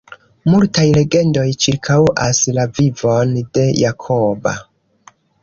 Multaj legendoj ĉirkaŭas la vivon de Jakoba.